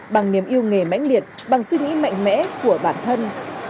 bằng niềm yêu nghề mãnh liệt bằng suy nghĩ mạnh mẽ của bản thân